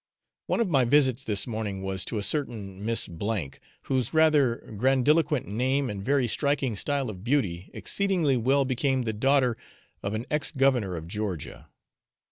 One of my visits this morning was to a certain Miss , whose rather grandiloquent name and very striking style of beauty exceedingly well became the daughter of an ex governor of Georgia.